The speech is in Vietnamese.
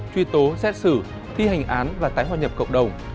truy tố xét xử thi hành án và tái hoa nhập cộng đồng